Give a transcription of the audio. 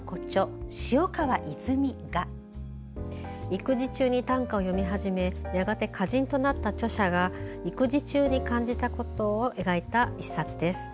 育児中に短歌を詠み始めやがて歌人となった著者が育児中に感じたことを描いた一冊です。